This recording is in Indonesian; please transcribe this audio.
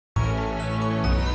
wah muka aja sendiri cantik